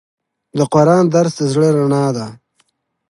د قرآن درس د زړه رڼا ده.